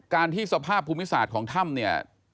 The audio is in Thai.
ที่สภาพภูมิศาสตร์ของถ้ำเนี่ย